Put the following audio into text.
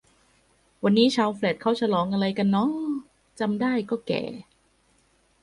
วันนี้ชาวแฟลตเขาฉลองอะไรกันหนอ จำได้ก็แก่